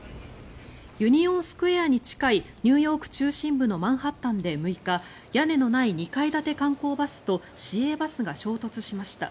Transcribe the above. ユニオンスクエアに近いニューヨーク中心部のマンハッタンで６日屋根のない２階建て観光バスと市営バスが衝突しました。